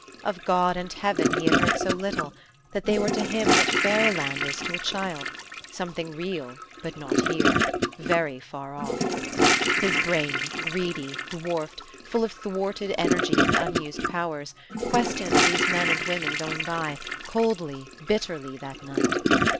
Of God and heaven he had heard so little, that they were to him what fairy land is to a child: something real, but not here; very far off. His brain, greedy, dwarfed, full of thwarted energy and unused powers, questioned these men and women going by, coldly, bitterly, that night.